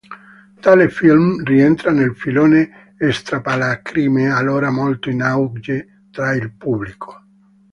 Tale film rientra nel filone "strappalacrime", allora molto in auge tra il pubblico.